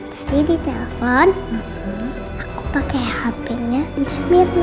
tadi di telepon aku pakai hp nya di mirna